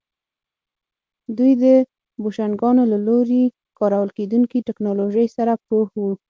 دوی د بوشنګانو له لوري کارول کېدونکې ټکنالوژۍ سره پوه وو